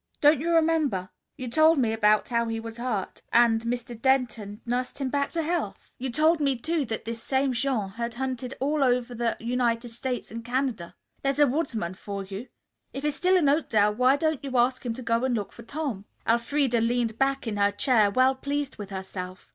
Don't you remember, you told me about how he was hurt and Mr. Denton nursed him back to health! You told me, too, that this same Jean had hunted all over the United States and Canada. There's a woodsman for you! If he's still in Oakdale, why don't you ask him to go and look for Tom?" Elfreda leaned back in her chair, well pleased with herself.